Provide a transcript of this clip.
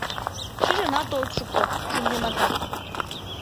Шижынат от шукто, шоҥгематат.